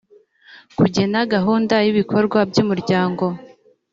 kugena gahunda y ibikorwa by umuryango